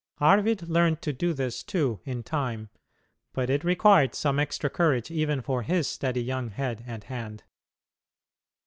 Arvid learned to do this, too, in time, but it required some extra courage even for his steady young head and hand.